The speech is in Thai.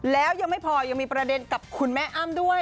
แล้วยังไม่พอยังมีประเด็นกับคุณแม่อ้ำด้วย